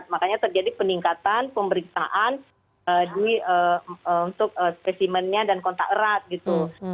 makanya terjadi peningkatan pemeriksaan untuk spesimennya dan kontak erat gitu